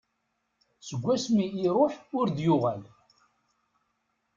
Seg wasmi i iruḥ ur d-yuɣal.